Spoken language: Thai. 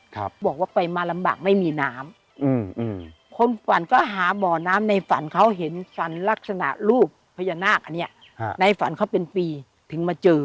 บอกว่าไปมาลำบากไม่มีน้ำอืมอืมคนฝันก็หาบ่อน้ำในฝันเขาเห็นฝันลักษณะรูปพญานาคอันเนี้ยฮะในฝันเขาเป็นปีถึงมาเจอ